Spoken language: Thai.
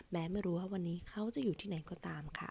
ไม่รู้ว่าวันนี้เขาจะอยู่ที่ไหนก็ตามค่ะ